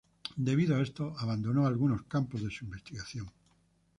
Debido a esto abandonó algunos campos de su investigación.